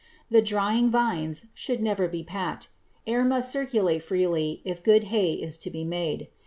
The drying vines should never be packed; air must circulate freely if good hay is to be made.